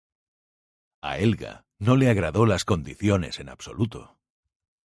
A Helga no le agradó las condiciones en absoluto.